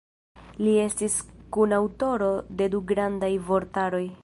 Li estis kunaŭtoro de du grandaj vortaroj.